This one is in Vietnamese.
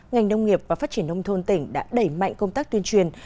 ngành nông nghiệp và phát triển nông thôn tỉnh đã đẩy mạnh công tác tuyên truyền